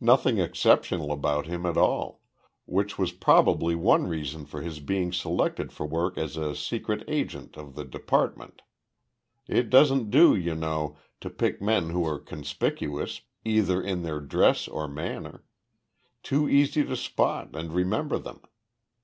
Nothing exceptional about him at all which was probably one reason for his being selected for work as a secret agent of the Department. It doesn't do, you know, to pick men who are conspicuous, either in their dress or manner. Too easy to spot and remember them.